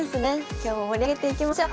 今日も盛り上げていきましょう。